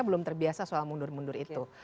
belum terbiasa soal mundur mundur itu